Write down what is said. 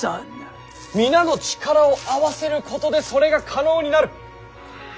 皆の力を合わせることでそれが可能になる。